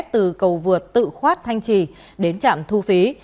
từ cầu vượt tự khoát thanh trì đến trạm thu phí